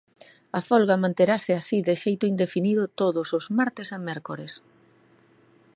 A folga manterase así de xeito indefinido todos os martes e mércores.